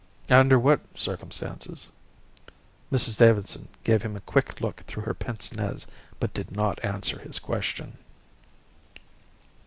"Under what circumstances?" Mrs Davidson gave him a quick look through her pince nez, but did not answer his question.